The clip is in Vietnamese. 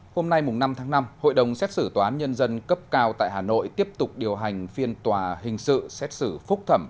hôm nay năm tháng năm hội đồng xét xử tòa án nhân dân cấp cao tại hà nội tiếp tục điều hành phiên tòa hình sự xét xử phúc thẩm